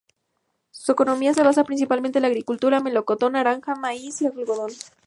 Su economía se basa principalmente en la agricultura, melocotón, naranja, maíz y algodón.